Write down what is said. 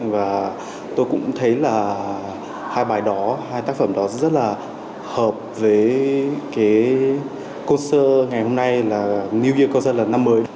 và tôi cũng thấy là hai bài đó hai tác phẩm đó rất là hợp với cái concert ngày hôm nay là new year concert là năm mới